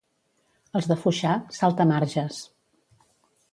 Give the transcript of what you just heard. Els de Foixà, saltamarges.